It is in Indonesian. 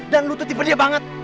dan lu tuh tipe dia banget